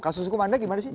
kasus hukum anda gimana sih